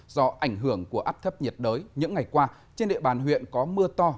do ảnh hưởng của áp thấp nhiệt đới những ngày qua trên địa bàn huyện có mưa to